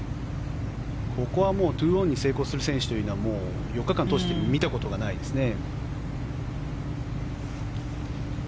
ここは２オンに成功する選手というのは４日間通して見たことがないですね。